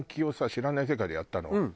『知らない世界』でやったの。